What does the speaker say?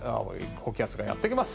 高気圧がやってきます。